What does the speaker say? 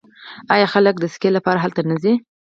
آیا خلک د سکي لپاره هلته نه ځي؟